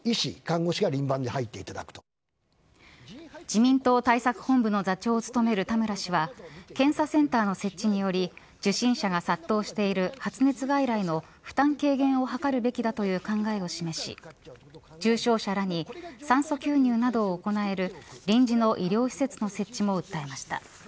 自民党対策本部の座長を務める田村氏は検査センターの設置により受診者が殺到している発熱外来の負担軽減を図るべきだとのだという考えを示し重症者らに酸素吸入などを行える臨時の医療施設の設置も訴えました。